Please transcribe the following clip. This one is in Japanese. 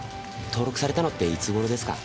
登録されたのっていつ頃ですか？